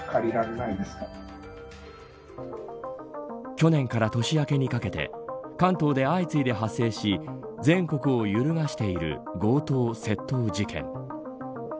去年から年明けにかけて関東で相次いで発生し全国を揺るがしている強盗・窃盗事件。